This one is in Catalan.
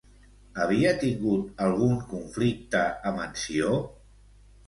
Havia tingut algun conflicte amb en Ció?